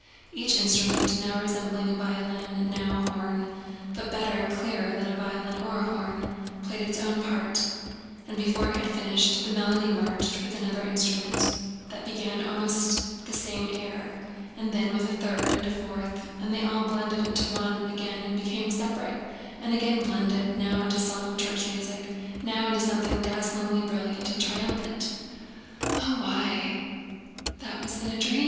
Each instrument—now resembling a violin and now a horn, but better and clearer than violin or horn—played its own part, and before it had finished the melody merged with another instrument that began almost the same air, and then with a third and a fourth; and they all blended into one and again became separate and again blended, now into solemn church music, now into something dazzlingly brilliant and triumphant. "Oh—why, that was in a dream!"